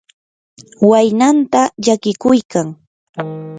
waynanta llakiykuykan.